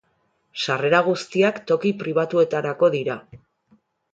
Sarrera guztiak toki pribatuetarako dira.